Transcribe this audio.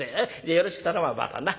よろしく頼むわばあさんなっ。